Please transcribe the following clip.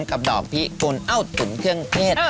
กับดอกพิกุลเอ้าตุ๋นเครื่องเทศ